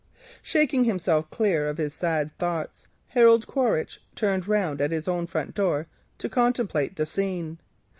Shaking himself clear of his sad thoughts, Harold Quaritch turned round at his own front door to contemplate the scene.